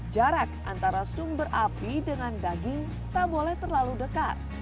jarak antara sumber api dengan daging tak boleh terlalu dekat